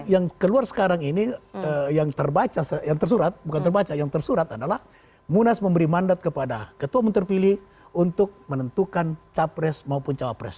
yang keluar sekarang ini yang tersurat adalah munas memberi mandat kepada ketua umum terpilih untuk menentukan capres maupun cawapres